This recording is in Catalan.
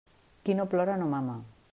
Qui no plora no mama.